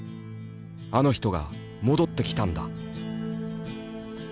「あの人が戻ってきたんだ」。